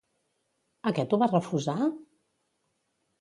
Aquest ho va refusar?